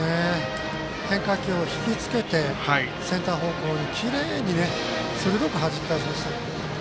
変化球を引きつけてセンター方向にきれいに鋭くはじき返しました。